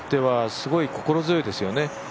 すごい心強いですよね。